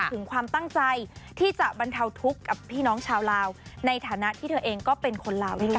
ถึงความตั้งใจที่จะบรรเทาทุกข์กับพี่น้องชาวลาวในฐานะที่เธอเองก็เป็นคนลาวด้วยกัน